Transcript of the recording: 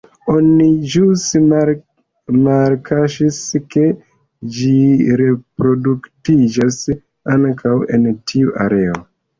Oni ĵus malkaŝis, ke ĝi reproduktiĝas ankaŭ en tiu areo.